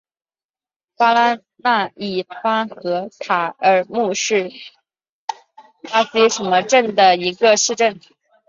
巴拉那伊巴河畔卡尔穆是巴西米纳斯吉拉斯州的一个市镇。